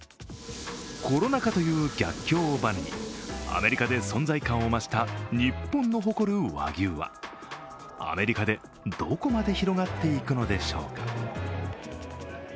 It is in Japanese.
コロナ禍という逆境をバネにアメリカで存在感を増した日本の誇る和牛はアメリカでどこまで広がっていくのでしょうか。